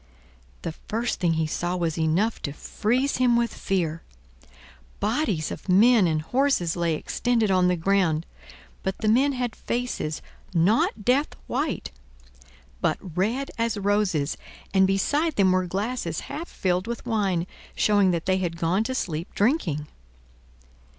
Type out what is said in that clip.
The first thing he saw was enough to freeze him with fear. Bodies of men and horses lay extended on the ground; but the men had faces, not death white, but red as roses, and beside them were glasses half filled with wine, showing that they had gone to sleep drinking.